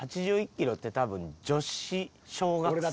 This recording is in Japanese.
８１キロって多分女子小学生。